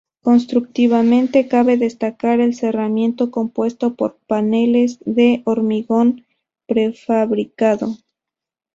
Constructivamente, cabe destacar el cerramiento compuesto por paneles de hormigón prefabricado.